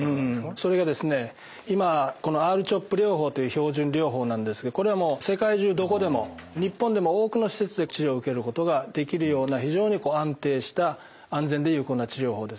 それがですね今ＲーＣＨＯＰ療法という標準療法なんですがこれはもう世界中どこでも日本でも多くの施設で治療を受けることができるような非常に安定した安全で有効な治療法です。